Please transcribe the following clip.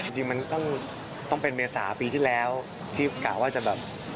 จริงมันต้องเป็นเมษาปีที่แล้วที่กะว่าจะแบบ